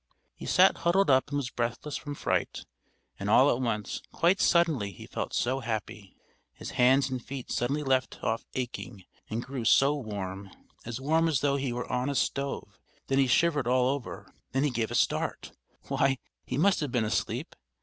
He sat huddled up and was breathless from fright, and all at once, quite suddenly, he felt so happy: his hands and feet suddenly left off aching and grew so warm, as warm as though he were on a stove; then he shivered all over, then he gave a start, why, he must have been asleep.